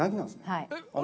はい。